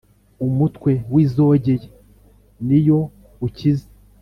umutwe w' izogeye ni yo ukiza